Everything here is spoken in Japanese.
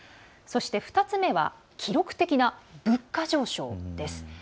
そして、２つ目は記録的な物価上昇です。